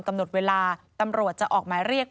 กำหนดเวลาตำรวจจะออกหมายเรียก